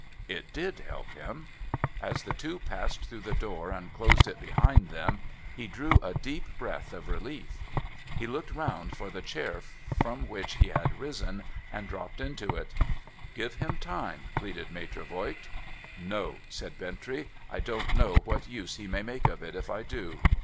It did help him. As the two passed through the door and closed it behind them, he drew a deep breath of relief. He looked round him for the chair from which he had risen, and dropped into it. ' Oive him time !' pleaded Maitre Voigt. ' No,' said Bintre}'. ' I don't know what use he may make of it if I do.'